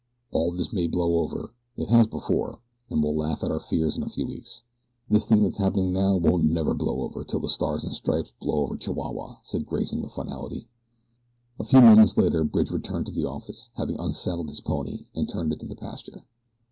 All this may blow over it has before and we'll laugh at our fears in a few weeks." "This thing that's happenin' now won't never blow over 'til the stars and stripes blow over Chihuahua," said Grayson with finality. A few moments later Bridge returned to the office, having unsaddled his pony and turned it into the pasture.